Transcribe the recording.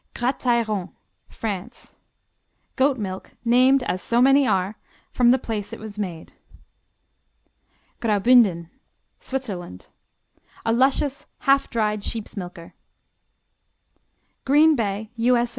Gratairon France Goat milk named, as so many are, from the place it is made. Graubünden Switzerland A luscious half dried sheep's milker. Green Bay _U.S.